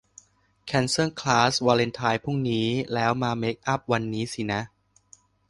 แคนเซิลคลาสวาเลนไทน์พรุ่งนี้ แล้วมาเมกอัพวันนี้สินะ